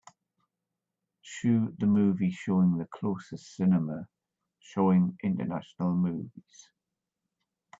Shoe the movie showings for the closest cinema showing international movies